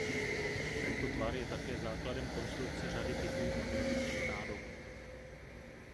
Tento tvar je také základem konstrukce řady typů magnetických nádob.